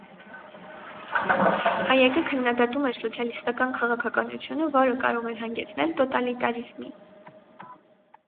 Հայեկը քննադատում էր սոցիալիստական քաղաքականությունը, որը կարող էր հանգեցնել տոտալիտարիզմի։